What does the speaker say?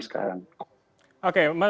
yang kita alami sekarang